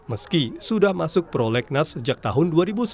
meski sudah masuk prolegnas sejak tahun dua ribu sembilan belas